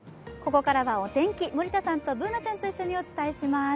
ここからは、お天気森田さんとＢｏｏｎａちゃんと一緒にお伝えします。